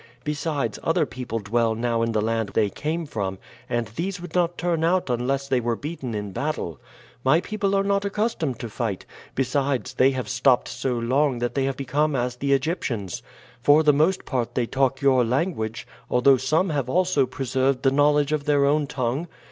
Besides, other people dwell now in the land they came from, and these would not turn out unless they were beaten in battle. My people are not accustomed to fight; besides, they have stopped so long that they have become as the Egyptians. For the most part they talk your language, although some have also preserved the knowledge of their own tongue.